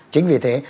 chính vì thế